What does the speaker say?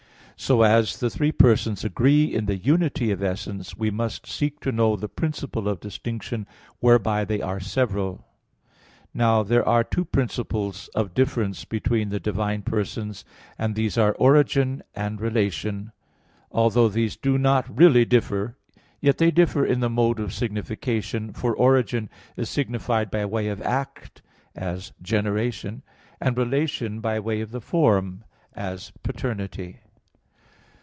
So, as the three persons agree in the unity of essence, we must seek to know the principle of distinction whereby they are several. Now, there are two principles of difference between the divine persons, and these are "origin" and "relation." Although these do not really differ, yet they differ in the mode of signification; for "origin" is signified by way of act, as "generation"; and "relation" by way of the form, as "paternity."